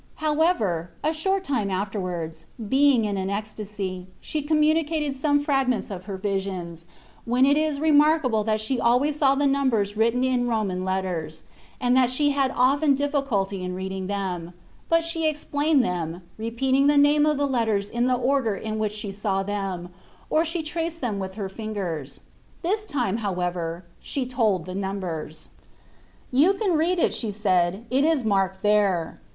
However, a short time afterwards, being in an ecstasy, she communicated some fragments of her Zlfoe IFlativntp ot visions, when it is remarkable that she always saw the numbers written in Roman letters, and that she had often difficulty in reading them ; but she explained them, repeating the name of the letters in the order in which she saw them, or she traced them with her fingers : this time, however, she told the numbers. You can read it, she said, it is marked there.